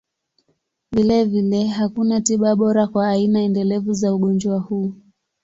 Vilevile, hakuna tiba bora kwa aina endelevu za ugonjwa huu.